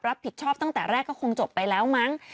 รับผิดชอบตั้งแต่แรกก็คงจบไปแล้วมั้ง